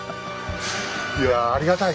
いやありがたい。